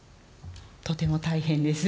とても大変です。